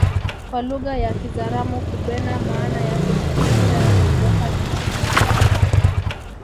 Kwa lugha ya kizaramo kubena maana yake ni kuvunja na migoha ni mikuku